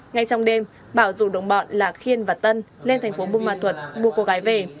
ngay trong đêm bảo dù đồng bọn là khiên và tân lên thành phố bù ma thuật mua cô gái về